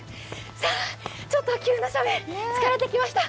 さあ、ちょっと急な斜面、疲れてきました。